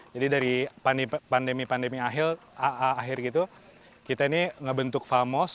jadi dari pandemi pandemi akhir kita ini ngebentuk famos